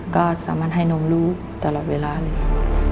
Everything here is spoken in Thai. ก็สามารถให้นมรู้ตลอดเวลาเลยค่ะ